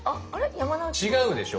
違うでしょ。